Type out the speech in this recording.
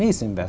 và chúng ta